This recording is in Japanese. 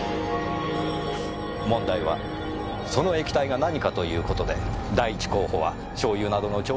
問題はその液体が何かという事で第一候補はしょうゆなどの調味料なんですが。